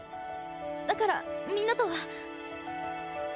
だからみんなとは。